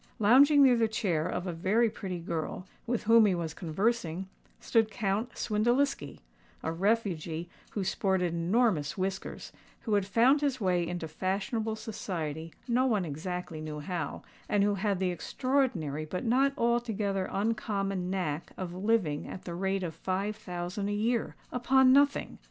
Lounging near the chair of a very pretty girl, with whom he was conversing, stood Count Swindeliski—a refugee who sported enormous whiskers, who had found his way into fashionable society no one exactly knew how, and who had the extraordinary but not altogether uncommon knack of living at the rate of five thousand a year—upon nothing!